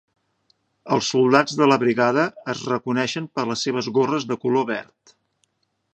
Els soldats de la brigada es reconeixen per les seves gorres de color verd.